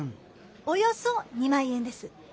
およそ２万円です。